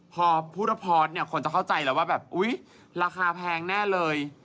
พอพูดว่าพอสเนี่ยคนจะเข้าใจแล้วว่าแบบอุ๊ยราคาแพงแน่เลย